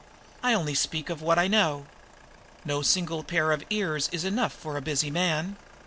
I only speak of what I know. No single pair of ears is enough for a busy man.